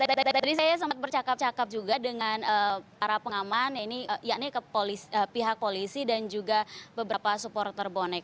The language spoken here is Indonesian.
tadi saya sempat bercakap cakap juga dengan para pengaman yakni pihak polisi dan juga beberapa supporter bonek